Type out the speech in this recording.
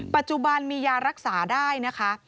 ปัจจุบันมียารักษาได้นะคะ